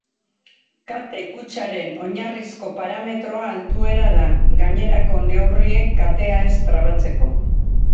Kate-kutxaren oinarrizko parametroa altuera da, gainerako neurriek, katea ez trabatzeko.